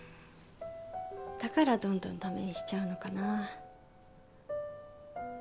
だからどんどんダメにしちゃうのかな。